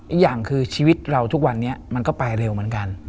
อีกอย่างคือชีวิตเราทุกวันนี้มันก็ไปเร็วเหมือนกัน